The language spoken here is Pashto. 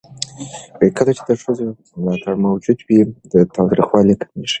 کله چې د ښځو ملاتړ موجود وي، تاوتريخوالی کمېږي.